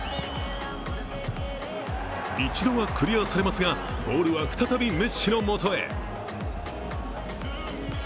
一度はクリアされますが、ボールは再びメッシのもとへ。